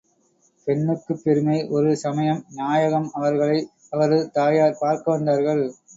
பெண்ணுக்குப் பெருமை ஒரு சமயம் நாயகம் அவர்களை அவரது தாயார் பார்க்க வந்தார்கள்.